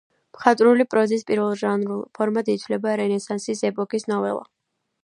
მხატვრული პროზის პირველ ჟანრულ ფორმად ითვლება რენესანსის ეპოქის ნოველა.